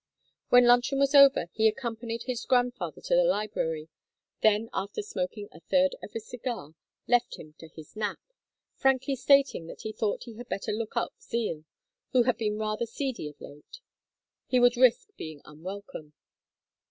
When luncheon was over he accompanied his grandfather to the library, then after smoking a third of a cigar, left him to his nap, frankly stating that he thought he had better look up Zeal, who had been rather seedy of late; he would risk being unwelcome.